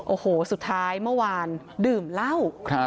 โอ้โหสุดท้ายเมื่อวานดื่มเหล้า